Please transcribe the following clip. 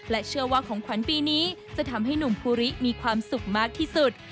เชื่อว่าของขวัญปีนี้จะทำให้หนุ่มภูริมีความสุขมากที่สุด